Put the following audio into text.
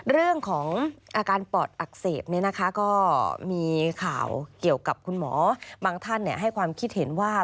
เรื่องของอาการปอดอักเสบก็มีข่าวเกี่ยวกับคุณหมอบางท่านให้ความคิดเห็นว่า